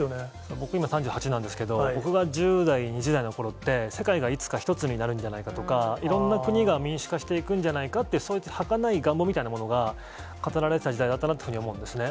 僕、今３８なんですけど、僕が１０代、２０代のころって、世界がいつか一つになるんじゃないかとか、いろんな国が民主化していくんじゃないかっていう、そういったはかない願望みたいなものが語られてた時代だったなというふうに思うんですね。